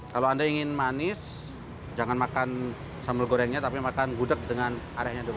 kalau anda ingin manis jangan makan sambal gorengnya tapi makan gudeg dengan areanya dulu